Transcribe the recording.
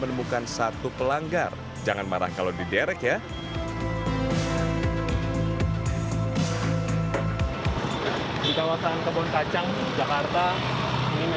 menemukan satu pelanggar jangan marah kalau diderek ya di kawasan kebun kacang jakarta ini